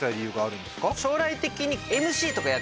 将来的に。